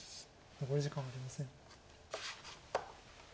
残り時間はありません。